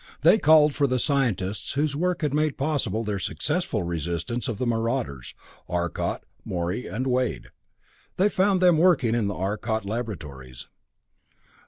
They called for the scientists whose work had made possible their successful resistance of the marauders: Arcot, Morey and Wade. They found them working in the Arcot Laboratories.